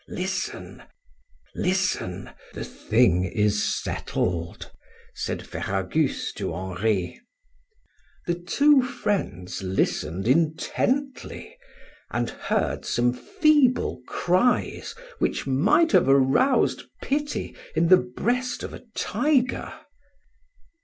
"Listen, listen!... The thing is settled," said Ferragus to Henri. The two friends listened intently, and heard some feeble cries which might have aroused pity in the breast of a tiger.